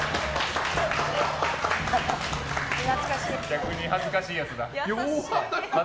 逆に恥ずかしいやつだ。